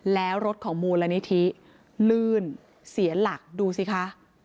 แล้วรถของมูลนิธิลื่นเสียหลักดูสิคะ